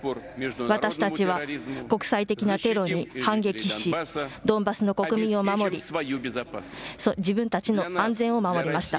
私たちは国際的なテロに反撃し、ドンバスの国民を守り、自分たちの安全を守りました。